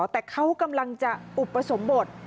แต่เขากำลังจะอุปสมบท